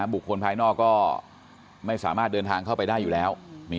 บุคคลภายนอกก็ไม่สามารถเดินทางเข้าไปได้อยู่แล้ว